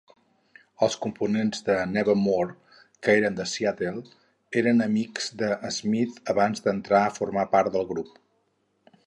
Els components de Nevermore, que eren de Seattle, eren amics de Smyth abans d'entrar a formar part del grup.